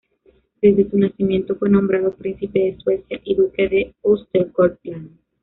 Desde su nacimiento, fue nombrado príncipe de Suecia y duque de Östergötland.